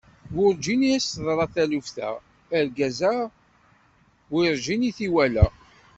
Werǧin i as-d-teḍra taluft-a, argaz-a werǧin i t-iwala!